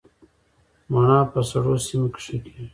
مڼه په سړو سیمو کې ښه کیږي